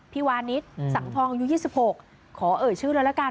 พี่วานิสสังทองอายุยี่สิบหกขอเอ่ยชื่อแล้วกัน